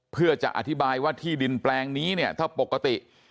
เพื่อจะอธิบายว่าที่ดินแปลงนี้เนี่ยถ้าปกติ